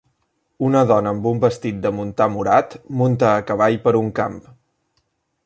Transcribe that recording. Una dona amb un vestit de muntar morat munta a cavall per un camp.